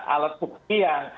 alat bukti yang